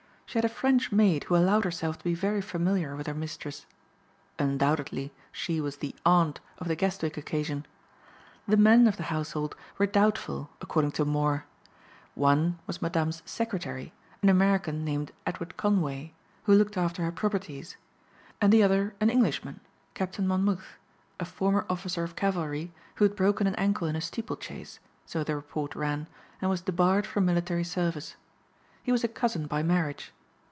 She had a French maid who allowed herself to be very familiar with her mistress. Undoubtedly she was the "aunt" of the Guestwick occasion. The men of the household were doubtful according to Moor. One was Madame's secretary, an American named Edward Conway, who looked after her properties, and the other an Englishman, Captain Monmouth, a former officer of cavalry who had broken an ankle in a steeple chase, so the report ran, and was debarred from military service. He was a cousin by marriage.